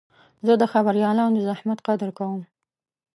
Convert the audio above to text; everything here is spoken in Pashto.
زه د خبریالانو د زحمت قدر کوم.